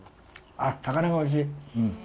あっ、高菜がおいしい。